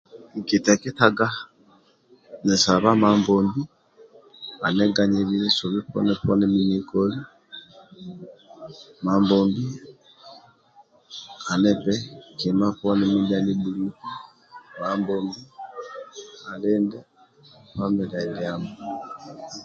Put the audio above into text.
Nkiteketaga ninsaba Mambombi aniganilie nsobi poni ndie nikolio Mabombi aniphe kima poni ndia anibhulibe Mabombi alinde famile ndiamo